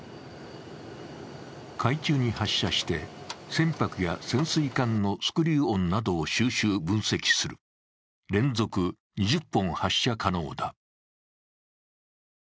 海中に発射して、船舶や潜水艦のスクリュー音などを収集・分析する連続２０本発射可能だ。